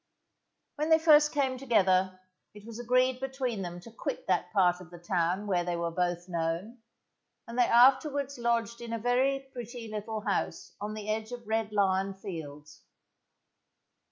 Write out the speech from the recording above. When they first came together it was agreed between them to quit that part of the town where they were both known, and they afterwards lodged in a very pretty little house on the edge of Red Lion Fields.